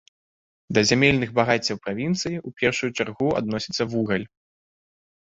Да зямельных багаццяў правінцыі ў першую чаргу адносіцца вугаль.